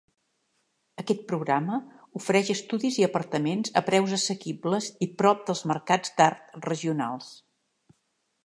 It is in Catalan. Aquest programa ofereix estudis i apartaments a preus assequibles i prop dels mercats d"art regionals.